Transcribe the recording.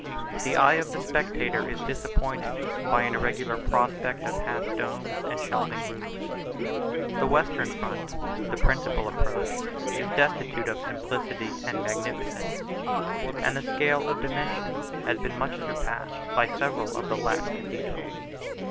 The eye of the spectator is disappointed by an irregular prospect of half domes and shelving roofs: the western front, the principal approach, is destitute of simplicity and magnificence; and the scale of dimensions has been much surpassed by several of the Latin cathedrals.